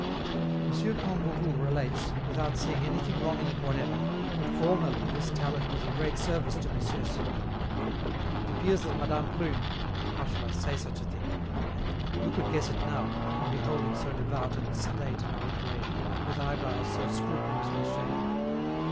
M. Kangourou relates, without seeing anything wrong in it whatever, that formerly this talent was of great service to M. Sucre. It appears that Madame Prune how shall I say such a thing, and, who could guess it now, on beholding so devout and sedate an old lady, with eyebrows so scrupulously shaven?